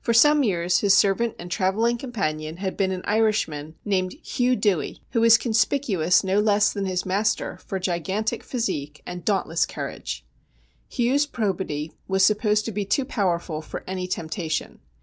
For some years his servant and travelling companion had been an Irishman named 174 STORIES WEIRD AND WONDERFUL Hugh Dewey, who was conspicuous no less than his master for gigantic physique and dauntless courage. Hugh's probity was supposed to be too powerful for any temptation.